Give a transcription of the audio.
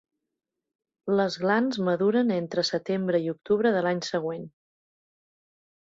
Les glans maduren entre setembre i octubre de l'any següent.